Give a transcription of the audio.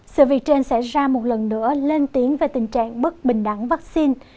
sự việc trên sẽ ra một lần nữa lên tiếng về tình trạng bất bình đẳng vắc xin